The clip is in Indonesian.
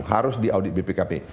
harus di audit bpkp